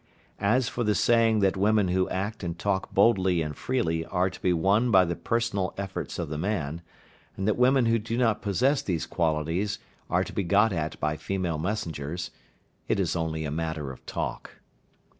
As for the saying that women who act and talk boldly and freely are to be won by the personal efforts of the man, and that women who do not possess those qualities are to be got at by female messengers, it is only a matter of talk.